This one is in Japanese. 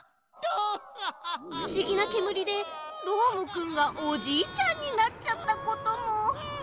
ふしぎなけむりでどーもくんがおじいちゃんになっちゃったことも。